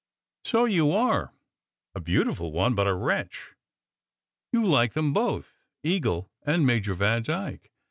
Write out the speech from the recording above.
"So you are! A beautiful one, but a wretch. You like them both, Eagle and Major Vandyke.